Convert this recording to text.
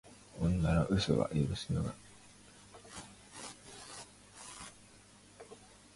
女の嘘は許すのが男だ